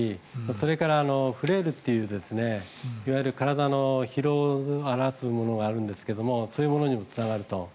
それからフレイルといういわゆる体の疲労を表すものがあるんですがそういうものにもつながると。